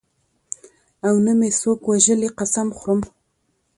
او نه مې څوک وژلي قسم خورم.